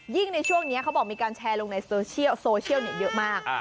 ยิ่งในช่วงนี้เขาบอกมีการแชร์ลงในโซเชียลเยอะมาก